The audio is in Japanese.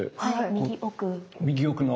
右奥の？